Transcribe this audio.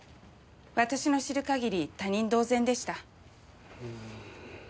私の知る限り他人同然でした。